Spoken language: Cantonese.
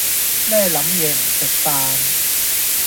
咩諗野唔食飯